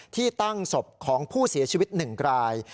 ที่ตั้งสบของผู้เสียชีวิตหนึ่งกลาย